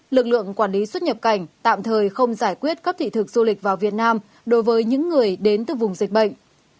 lực lượng quản lý xuất nhập cảnh tạm thời không giải quyết các thị thực du lịch vào việt nam đối với những người đến từ vùng dịch bệnh